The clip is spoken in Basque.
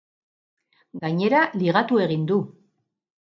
Gainera ligatu egin du!